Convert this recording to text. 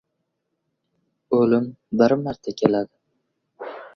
• O‘lim bir marta keladi.